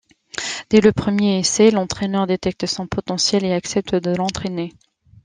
Dès le premier essai, l’entraîneur détecte son potentiel et accepte de l’entrainer.